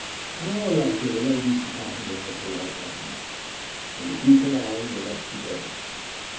An hour later the ladies departed on their polite errand, and the Duke and I were left together.